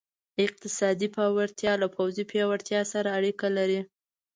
اقتصادي پیاوړتیا له پوځي پیاوړتیا سره اړیکه لري.